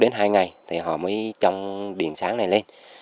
một hai ngày thì họ mới trông điện sáng này lên